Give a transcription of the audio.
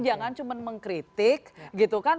jangan cuma mengkritik gitu kan